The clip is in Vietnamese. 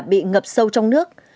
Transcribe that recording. bị ngập sâu trong nước